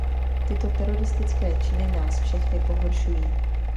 Tyto teroristické činy nás všechny pohoršují.